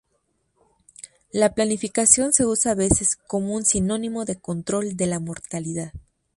La planificación se utiliza a veces como un sinónimo de control de la mortalidad.